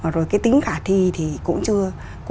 rồi cái tính khả thi thì cũng chưa